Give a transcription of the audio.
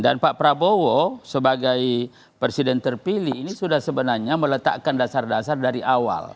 dan pak prabowo sebagai presiden terpilih ini sudah sebenarnya meletakkan dasar dasar dari awal